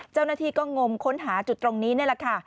เจ้าหน้าที่ก็งมค้นหาจุดตรงนี้นี่แหละค่ะ